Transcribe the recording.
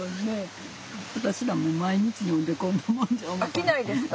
飽きないですか？